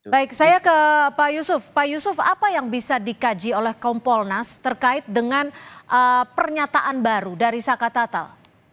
baik saya ke pak yusuf pak yusuf apa yang bisa dikaji oleh kompolnas terkait dengan pernyataan baru dari saka tatal